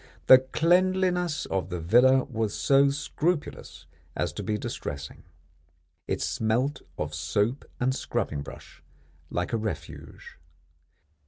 The cleanliness of the villa was so scrupulous as to be distressing. It smelt of soap and scrubbing brush like a Refuge.